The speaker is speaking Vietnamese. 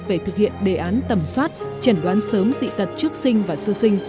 về thực hiện đề án tầm soát chẩn đoán sớm dị tật trước sinh và sơ sinh